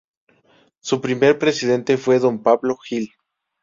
Su primer presidente fue Don Pablo Gil.